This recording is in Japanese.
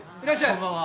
こんばんは。